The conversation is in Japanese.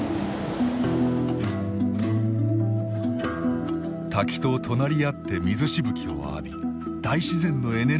滝と隣り合って水しぶきを浴び大自然のエネルギーを感じる。